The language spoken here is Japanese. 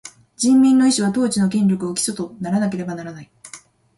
人民の意思は、統治の権力を基礎とならなければならない。